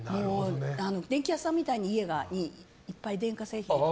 電気屋さんみたいに家がいっぱい、電化製品がある。